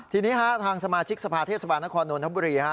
ทีนี้ทางสมาชิกสภาเทพศาสตร์สวรรค์นครนนทบุรี